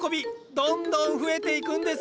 どんどん増えていくんです。